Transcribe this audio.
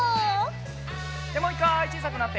もう１かいちいさくなって。